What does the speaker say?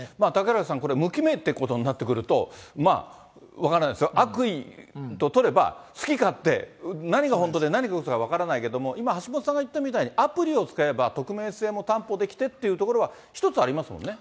嵩原さん、これ、無記名っていうことになってくると、分からないですよ、悪意ととれば好き勝手、何が本当で、何がうそか分からないけど、今、橋下さんが言ったみたいにアプリを使えば、匿名性も担保できてっていうことも一つありますよね。